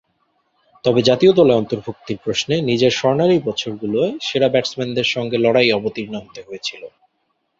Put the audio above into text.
তবে জাতীয় দলে অন্তর্ভূক্তির প্রশ্নে নিজের স্বর্ণালী বছরগুলোয় সেরা ব্যাটসম্যানদের সঙ্গে লড়াইয়ে অবতীর্ণ হতে হয়েছিল।